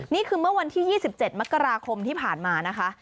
นี่คือเมื่อวันที่๒๗มกราคมที่ผ่านมานะคะ